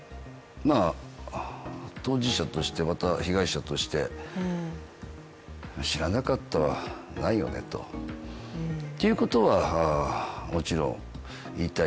当事者として、また被害者として知らなかったはないよねということはもちろん言いたい。